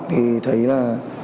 thì thấy là